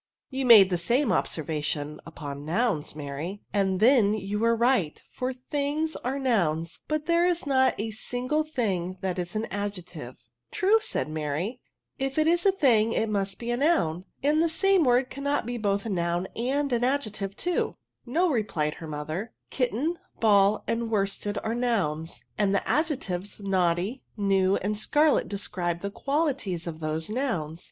*' You made the same observation upon nouns, Mary, and then you were right ; for things are nouns \ but there is not a single thing that is an adjective." True," said Mary; " if it is a thing it must be a noun ; and the same word cannot be both a noun and an adjective too." D 3 30 ADJECTIVES. " No," repKed her mother, " kitten, ball, and worsted are nouns, and the adjectives naughty, new, and scarlet, describe the qualities of those nouns."